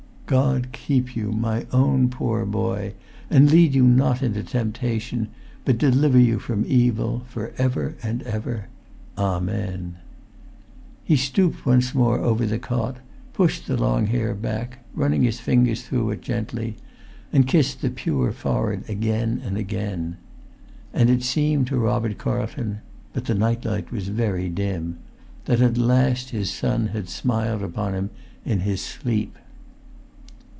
"God keep you, my own poor boy, and lead you not into temptation, but deliver you from evil, for ever and ever, Amen." He stooped once more over the cot, pushed the long hair back, running his fingers through it gently, and kissed the pure forehead again and again. And it seemed to Robert Carlton—but the night light was very dim—that at the last his son had smiled upon him in his sleep.